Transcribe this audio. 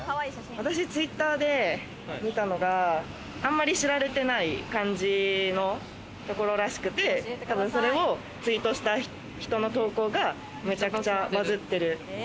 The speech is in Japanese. Ｔｗｉｔｔｅｒで見たのが、あんまり知られてない感じのところらしくて、多分それをツイートした人の投稿がめちゃくちゃバズってる。